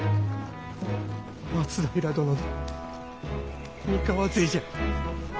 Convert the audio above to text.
松平殿の三河勢じゃ！